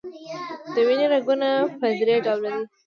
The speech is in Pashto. د وینې رګونه په دری ډوله دي.